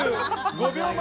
５秒前！